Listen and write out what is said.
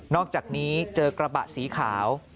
อกจากนี้เจอกระบะสีขาว